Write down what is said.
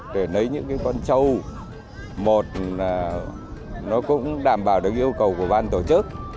để lấy những cái con châu một là nó cũng đảm bảo được yêu cầu của ban tổ chức